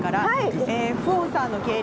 フオンさんの経歴